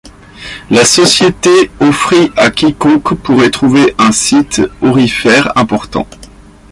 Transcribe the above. La société offrit à quiconque pourrait trouver une site aurifère important.